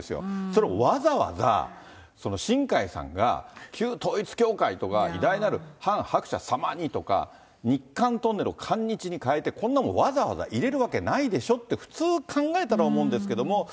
それをわざわざ、新開さんが旧統一教会とか、偉大なるハン・ハクチャ様にとか、日韓トンネルを韓日に変えて、こんなもんわざわざ入れるわけないでしょって、普通考えたら思うんですけども。